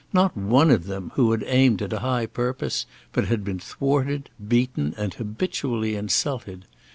Not one of them, who had aimed at high purpose, but had been thwarted, beaten, and habitually insulted!